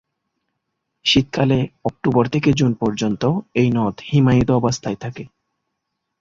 শীতকালে অক্টোবর থেকে জুন পর্যন্ত এই নদ হিমায়িত অবস্থায় থাকে।